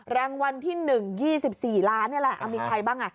รางวัลที่หนึ่ง๒๔ล้านเนี่ยล่ะอ่ะมีใครบ้างอ่ะ